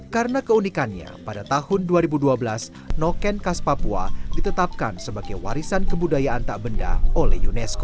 karena keunikannya pada tahun dua ribu dua belas noken khas papua ditetapkan sebagai warisan kebudayaan tak benda oleh unesco